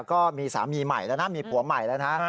ก็มีสามีใหม่แล้วนะมีผัวใหม่แล้วนะ